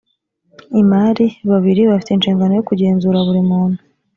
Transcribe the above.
imari babiri bafite inshingano yo kugenzura buri muntu